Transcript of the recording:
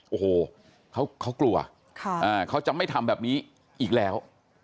โอ้โหเขากลัวเขาจะไม่ทำแบบนี้อีกแล้ว